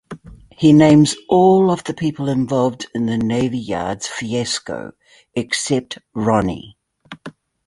He names all of the people involved in the Navy Yards fiasco, except Ronnie.